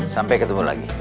sampai ketemu lagi